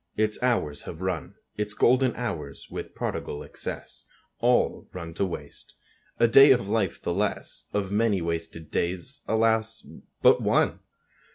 Its hours have run, Its golden hours, with prodigal excess, All run to waste. A day of life the less; Of many wasted days, alas, but one!